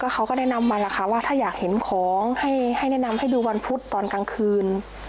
เขาก็แนะนำวันล่ะค่ะว่าถ้าอยากเห็นของให้แนะนำให้ดูวันพุธตอนกลางคืน